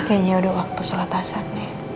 kayaknya udah waktu selesai